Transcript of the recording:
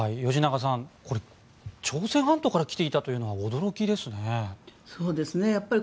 吉永さん、これ朝鮮半島から来ていたというのは驚きですね。